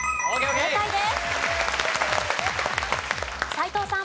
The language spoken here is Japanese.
正解です。